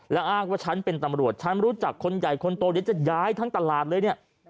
แล้วอ้างว่าฉันเป็นตำรวจฉันรู้จักคนใหญ่คนโตเดี๋ยวจะย้ายทั้งตลาดเลยเนี่ย